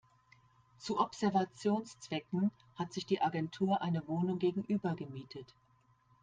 Zu Observationszwecken hat sich die Agentur eine Wohnung gegenüber gemietet.